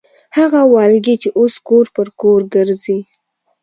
هغه والګي چې اوس کور پر کور ګرځي.